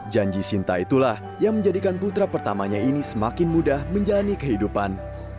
janji sinta itulah yang menjadikan putra pertamanya ini semakin mudah menjalani kehidupan